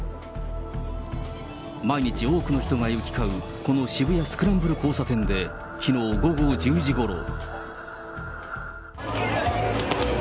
毎日多くの人が行き交う、この渋谷スクランブル交差点で、きのう午後１０時ごろ。